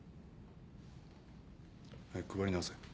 早く配り直せ。